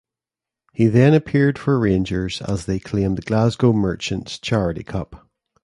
He then appeared for Rangers as they claimed the Glasgow Merchants Charity Cup.